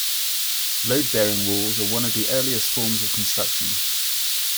Load-bearing walls are one of the earliest forms of construction.